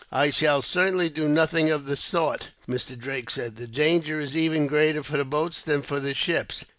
"I shall certainly do nothing of the sort," Mr. Drake said. "The danger is even greater for the boats than for the ships."